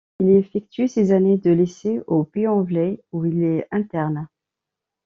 Il effectue ses années de lycée au Puy-en-Velay où il est interne.